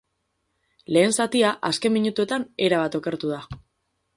Lehen zatia azken minutuetan erabat okertu da.